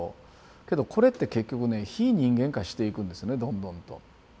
けどこれって結局ね非人間化していくんですねどんどんと。